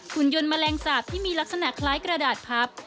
คุณยนต์แมลงสาปที่มีลักษณะคล้ายกระดาษพับ